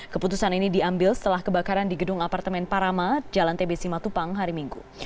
keputusan ini diambil setelah kebakaran di gedung apartemen parama jalan tbc matupang hari minggu